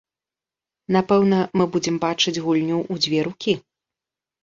Напэўна, мы будзем бачыць гульню ў дзве рукі.